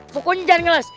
pokoknya jangan ngeles